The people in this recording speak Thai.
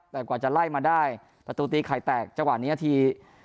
แต่กว่าจะไล่มาได้ประตูตีไข่แตกจังหวะนี้นาที